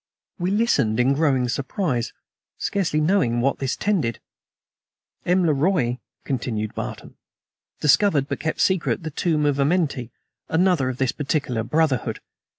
We listened in growing surprise, scarcely knowing to what this tended. "M. le Roi," continued Barton, "discovered, but kept secret, the tomb of Amenti another of this particular brotherhood.